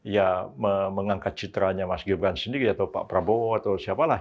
ya mengangkat citranya mas gibran sendiri atau pak prabowo atau siapalah